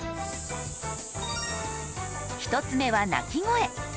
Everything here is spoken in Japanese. １つ目は鳴き声。